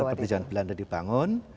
seperti zaman belanda dibangun